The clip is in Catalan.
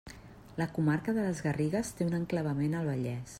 La comarca de les Garrigues té un enclavament al Vallès.